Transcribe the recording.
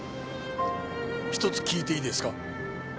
一つ聞いていいですか？